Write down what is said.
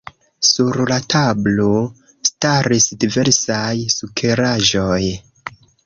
Sur la tablo staris diversaj sukeraĵoj.